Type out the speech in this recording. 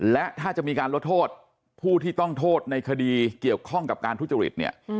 และถ้าจะมีการลดโทษผู้ที่ต้องโทษในคดีเกี่ยวข้องกับการทุจริตเนี่ย